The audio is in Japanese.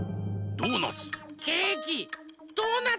ドーナツ。